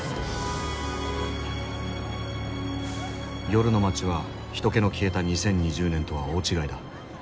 夜の街は人けの消えた２０２０年とは大違いだ。